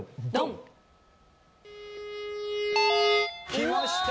きました。